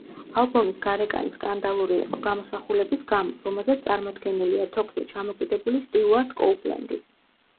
ალბომის გარეკანი სკანდალური იყო, გამოსახულების გამო, რომელზეც წარმოდგენილია თოკზე ჩამოკიდებული სტიუარტ კოუპლენდი.